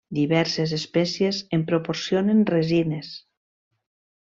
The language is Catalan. Diverses espècies en proporcionen resines.